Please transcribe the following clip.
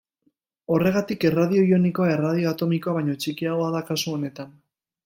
Horregatik erradio ionikoa erradio atomikoa baino txikiagoa da kasu honetan.